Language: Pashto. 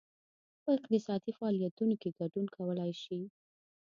په اقتصادي فعالیتونو کې ګډون کولای شي.